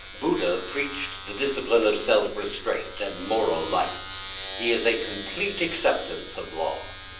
Buddha preached the discipline of self restraint and moral life; it is a complete acceptance of law.